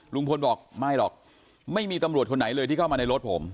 ลุงพลบอกไม่หรอกไม่มีตำรวจคนไหนเลยที่เข้ามาในรถผม